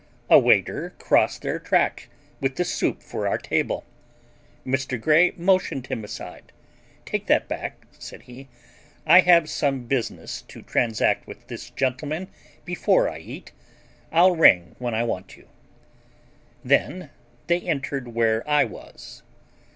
A waiter crossed their track with the soup for our table. Mr. Grey motioned him aside. "Take that back," said he. "I have some business to transact with this gentleman before I eat. I'll ring when I want you." Then they entered where I was.